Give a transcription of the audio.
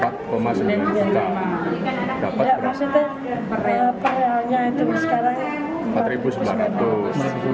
ya maksudnya apa rialnya itu sekarang rp empat sembilan ratus